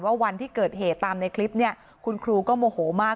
วันที่เกิดเหตุตามในคลิปเนี่ยคุณครูก็โมโหมาก